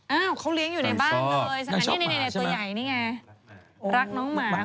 อ้าวเขาเลี้ยงอยู่ในบ้านเลยนางชอบหมาใช่ไหม